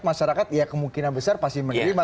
masyarakat ya kemungkinan besar pasti menerima